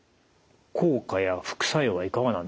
効果や副作用はいかがなんでしょうか？